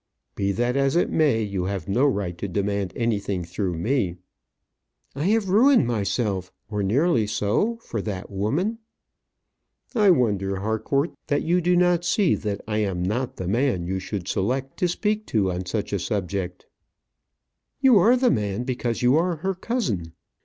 "Be that as it may, you have no right to demand anything through me." "I have ruined myself or nearly so, for that woman." "I wonder, Harcourt, that you do not see that I am not the man you should select to speak to on such a subject." "You are the man, because you are her cousin.